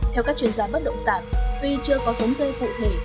theo các chuyên gia bắt động sản tuy chưa có thống kê phụ thể